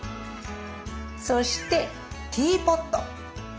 そしてティーポット。